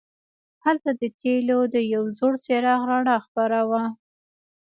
هلته د تیلو د یو زوړ څراغ رڼا خپره وه.